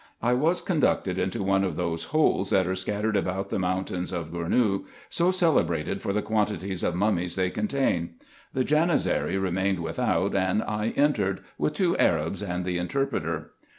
I was conducted into one of those holes, that are scattered about the mountains of Gournou, so celebrated for the quantities of mummies they contain. The Janizary remained without, and I entered, with two Arabs and the interpreter.